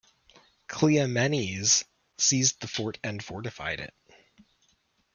Cleomenes seized the fort and fortified it.